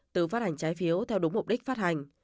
từ phát hành trái phiếu theo đúng mục đích phát hành